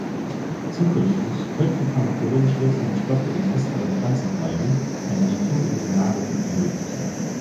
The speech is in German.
Zukünftig könnten pharmakologisch wirksame Stoffe in essbaren Pflanzenteilen eine Impfung über die Nahrung ermöglichen.